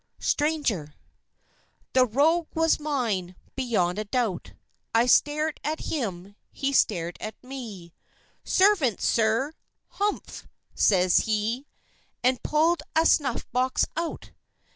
STRANGER The rogue was mine, beyond a doubt. I stared at him; he stared at me; "Servant, sir!" "Humph!" says he, And pulled a snuff box out.